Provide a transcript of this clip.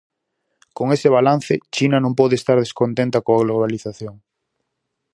Con ese balance, China non pode estar descontenta coa globalización.